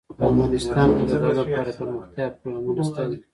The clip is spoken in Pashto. افغانستان کې د زردالو لپاره دپرمختیا پروګرامونه شته دي.